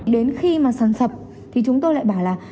đến khi mà sàn sập thì chúng tôi lại bảo là